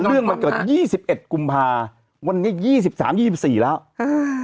เรื่องมันเกิดยี่สิบเอ็ดกุมภาวันนี้ยี่สิบสามยี่สิบสี่แล้วอ่า